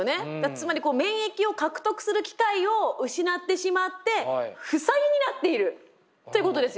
つまり免疫を獲得する機会を失ってしまって負債になっているということですよね。